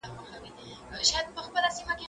زه هره ورځ زدکړه کوم،